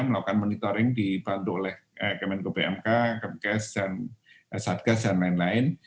melakukan monitoring dibantu oleh kemenko pmk kepkes dan satgas dan lain lain